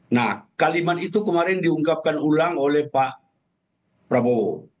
nah kalimat itu kemarin diungkapkan ulang oleh pak prabowo